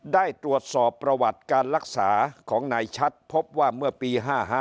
ได้ตรวจสอบประวัติการรักษาของนายชัดพบว่าเมื่อปี๕๕